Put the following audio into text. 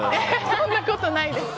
そんなことないです！